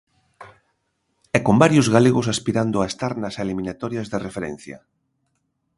E con varios galegos aspirando a estar nas eliminatorias de referencia.